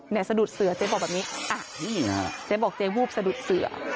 สะดุดเสือเจ๊บอกแบบนี้เจ๊บอกเจ๊วูบสะดุดเสือ